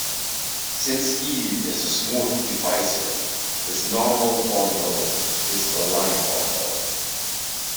Since "E" is a smooth divisor, its normal bundle is a line bundle.